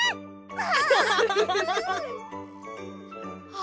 あ。